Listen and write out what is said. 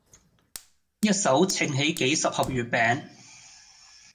一手掅起幾十盒月餅